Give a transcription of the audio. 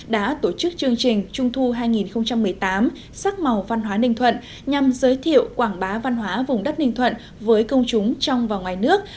đã tổ chức chương trình trung thu hai nghìn một mươi tám sắc màu văn hóa ninh thuận nhằm giới thiệu quảng bá văn hóa vùng đất ninh thuận với công chúng trong và ngoài nước